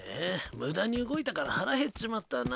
無駄に動いたから腹減っちまったな。